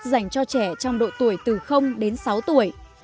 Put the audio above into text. dành cho trẻ trong độ tuổi từ đến sáu tuổi